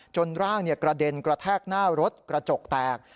ร่างกระเด็นกระแทกหน้ารถกระจกแตก